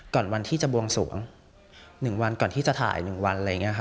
ก่อนวันที่จะบวงสวง๑วันก่อนที่จะถ่าย๑วัน